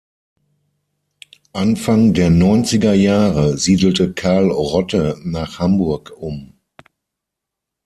Anfang der neunziger Jahre siedelte Carl Rotte nach Hamburg um.